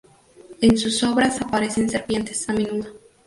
En sus obras aparecen serpientes a menudo.